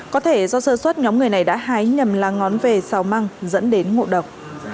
có thể do sơ suất nhóm người này đã hái nhầm lá ngón về xào măng dẫn đến ngộ độc